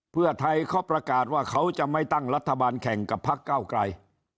เพื่อไทยเขาประกาศว่าเขาจะไม่ตั้งรัฐบาลแข่งกับพักเก้าไกล